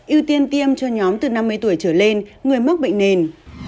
ưu tiên tiêm cho nhóm từ năm mươi tuổi trở lên người mắc bệnh nền